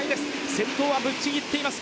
先頭はぶっちぎっています。